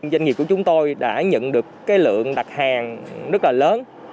doanh nghiệp của chúng tôi đã nhận được cái lượng đặt hàng rất là lớn